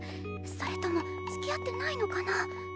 それともつきあってないのかな？